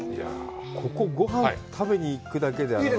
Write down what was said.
ここ、ごはん食べに行くだけね。